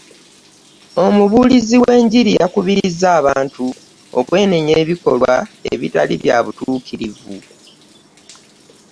Omubulizi w'enjiri yakubiriza abantu okwenenya ebikolwa ebitali bya butukirivu.